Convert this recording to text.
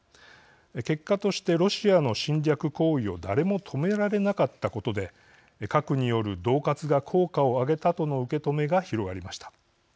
結果として、ロシアの侵略行為を誰も止められなかったことで核による、どう喝が効果を上げたとの受け止めが広がりました。